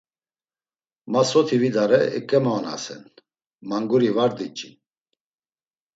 Ma soti vidare eǩemaonasen, manguri var diç̌in.